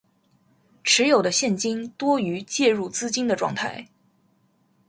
持有的现金多于借入资金的状态